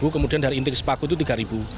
kemudian dari inti sepakus itu tiga ribu